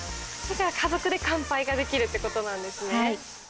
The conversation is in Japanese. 家族で乾杯ができるということなんですね。